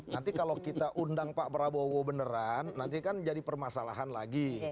nanti kalau kita undang pak prabowo beneran nanti kan jadi permasalahan lagi